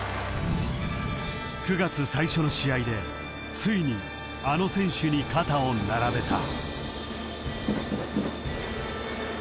［９月最初の試合でついにあの選手に肩を並べた］